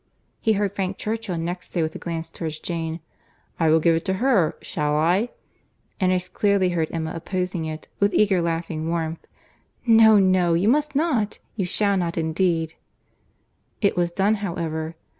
He heard Frank Churchill next say, with a glance towards Jane, "I will give it to her—shall I?"—and as clearly heard Emma opposing it with eager laughing warmth. "No, no, you must not; you shall not, indeed." It was done however.